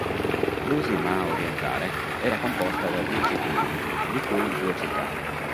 L'Uusimaa orientale era composta da dieci comuni, di cui due città.